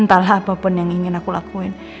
entahlah apapun yang ingin aku lakuin